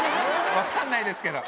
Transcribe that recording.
分かんないですけど。